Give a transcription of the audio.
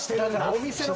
お店の。